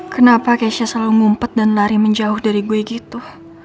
kenapa keisha selalu ngumpet dan lari menjauh dari gue gitu